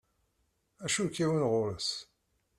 Acu ik-yewwin ɣur-s?